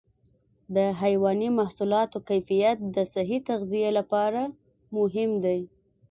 د حيواني محصولاتو کیفیت د صحي تغذیې لپاره مهم دی.